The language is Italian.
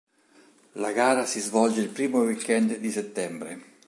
La gara si svolge il primo week-end di settembre.